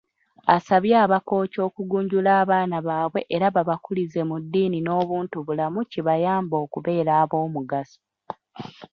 Asabye Abakooki okugunjula abaana baabwe era babakulize mu ddiini n'obuntu bulamu kibayambe okubeera ab'omugaso.